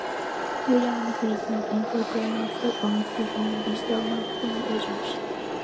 Williams is an entrepreneur who owns her own Digital Marketing agency.